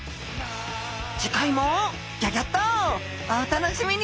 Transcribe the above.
次回もギョギョッとお楽しみに！